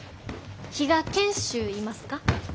比嘉賢秀いますか？